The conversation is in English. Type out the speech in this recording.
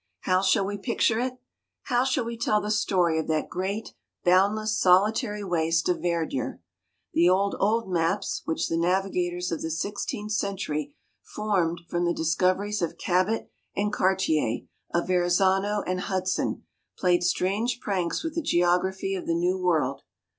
How shall we picture it? how shall we tell the story of that great, boundless, solitary waste of verdure? The old, old maps, which the navigators of the sixteenth century formed from the discoveries of Cabot and Cartier, of Verrazanno and Hudson, played strange pranks with the geography of the New World.